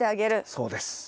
そうです。